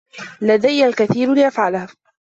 لدي الكثير لأفعله.